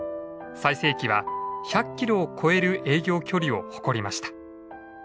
最盛期は１００キロを超える営業距離を誇りました。